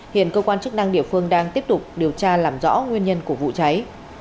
hiện cơ quan chức năng địa phương đang tiếp tục điều tra làm rõ nguyên nhân của vụ cháy